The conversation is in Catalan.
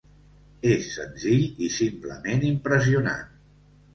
És senzill i simplement impressionant.